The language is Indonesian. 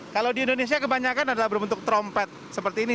kalau di indonesia kebanyakan adalah berbentuk trompet seperti ini